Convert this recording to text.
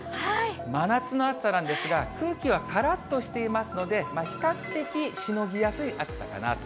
真夏の暑さなんですが、空気はからっとしていますので、比較的しのぎやすい暑さかなと。